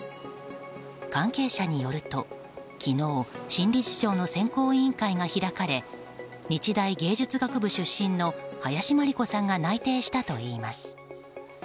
関係者によると昨日、新理事長の選考委員会が開かれ日大芸術学部出身の林真理子さんが内定したといいます。